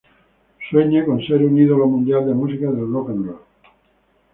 Él sueña con ser un ídolo mundial de música del Rock 'n' Roll.